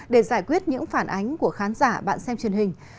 để giải quyết những phản ánh của khán giả bạn xem truyền hình